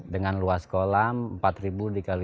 dengan luas kolam empat ribu dikali